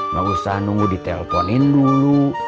nggak usah nunggu diteleponin dulu